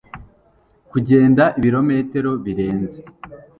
kugenda ibirometero birenze